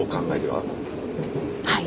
はい。